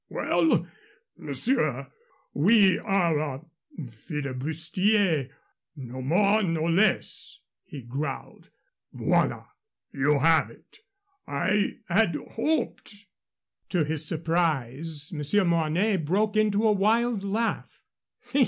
"Well, monsieur, we are a flibustier no more, no less," he growled. "Voilà, you have it. I had hoped " To his surprise, Monsieur Mornay broke into a wild laugh.